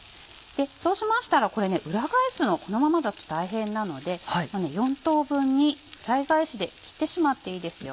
そうしましたらこれ裏返すのこのままだと大変なので４等分にフライ返しで切ってしまっていいですよ。